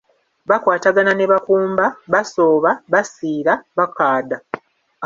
"Bakwatagana ne bakumba, basooba, basiira, bakaada."